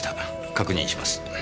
確認します。